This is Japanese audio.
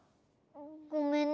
ごめんね。